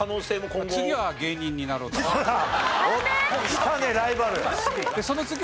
来たねライバル！